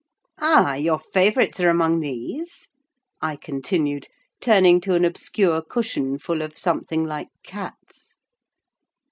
"Ah, your favourites are among these?" I continued, turning to an obscure cushion full of something like cats.